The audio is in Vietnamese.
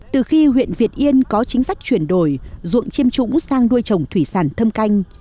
từ khi huyện việt yên có chính sách chuyển đổi ruộng chiêm trũng sang nuôi trồng thủy sản thâm canh